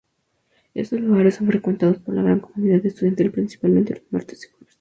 Estos lugares son frecuentados por la gran comunidad estudiantil principalmente los martes y jueves.